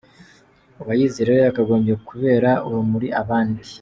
Uwayize rero yakagombye kubera urumuri abandi”.